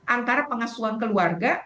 antara pengasuhan keluarga